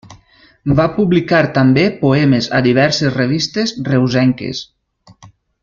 Va publicar també poemes a diverses revistes reusenques.